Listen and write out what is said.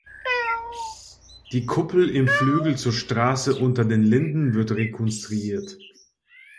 Die Kuppel im Flügel zur Straße Unter den Linden wird rekonstruiert.